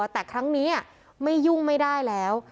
แต่ครั้งนี้ไม่ยุ่งไม่ได้แล้ว